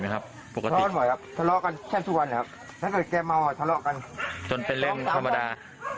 ฮะ